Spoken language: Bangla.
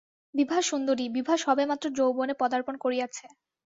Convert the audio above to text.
বিভা সুন্দরী, বিভা সবেমাত্র যৌবনে পদার্পণ করিয়াছে।